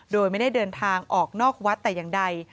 โดยไม่ได้เดินทางออกนอกวัดแต่อย่างใด